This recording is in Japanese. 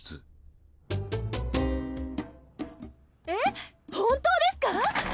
えっ本当ですか？